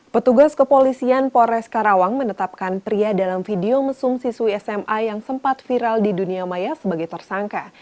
petugas kepolisian polres karawang menetapkan pria dalam video mesum siswi sma yang sempat viral di dunia maya sebagai tersangka